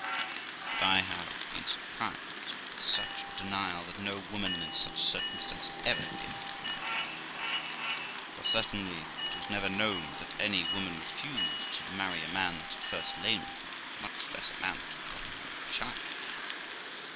'But I have been surprised with such a denial that no woman in such circumstances ever gave to a man; for certainly it was never known that any woman refused to marry a man that had first lain with her, much less a man that had gotten her with child.